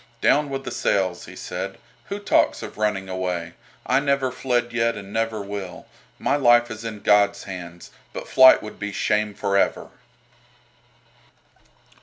"Down with the sails!" he said. "Who talks of running away? I never fled yet and never will. My life is in God's hands, but flight would be shame for ever."